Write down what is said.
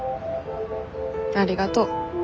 ありがと。